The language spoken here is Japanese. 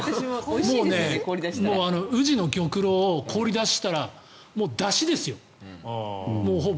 もう、宇治の玉露を氷出ししたらだしですよ、ほぼ。